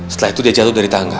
setelah itu dia jatuh dari tangga